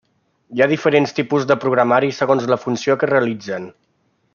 Hi ha diferents tipus de programari segons la funció que realitzen.